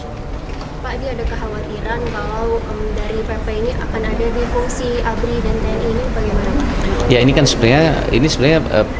pak ini ada kekhawatiran kalau dari pp ini akan ada di fungsi abri dan tni ini bagaimana pak